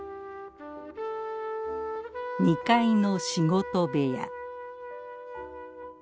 ２階の仕事部屋。